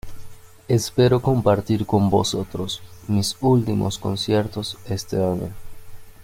Espero compartir con vosotros mis últimos conciertos este año.